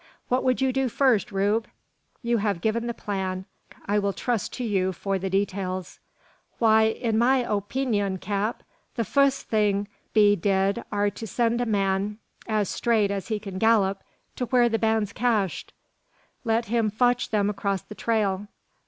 What would you do first, Rube? You have given the plan: I will trust to you for the details." "Why, in my opeenyun, cap, the fust thing to be did are to send a man as straight as he can gallip to whur the band's cached. Let him fotch them acrost the trail."